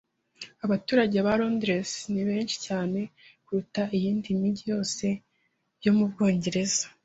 Abaturage ba Londres ni benshi cyane kuruta iyindi mijyi yose yo mu Bwongereza.